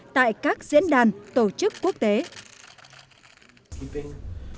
tại các diễn biến